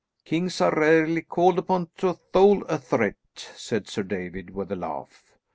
"Kings are rarely called upon to thole a threat," said Sir David, with a laugh.